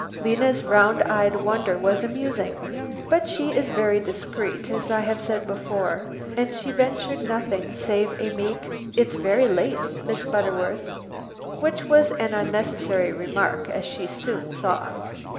Lena's round eyed wonder was amusing; but she is very discreet, as I have said before, and she ventured nothing save a meek, "It's very late, Miss Butterworth," which was an unnecessary remark, as she soon saw.